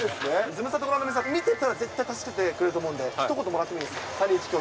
ズムサタご覧の皆さん、見てたら絶対助けてくれると思うので、ひと言もらってもいいですか。